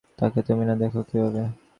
তাকে তুমি না দেখো কীভাবে?